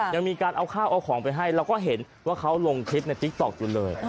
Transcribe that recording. ยังมีการเอาข้าวเอาของไปให้เราก็เห็นว่าเขาลงคลิปในติ๊กต๊อกอยู่เลย